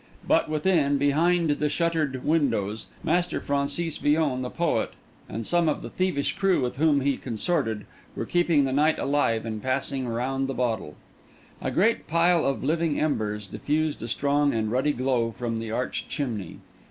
But within, behind the shuttered windows, Master Francis Villon the poet, and some of the thievish crew with whom he consorted, were keeping the night alive and passing round the bottle. A great pile of living embers diffused a strong and ruddy glow from the arched chimney.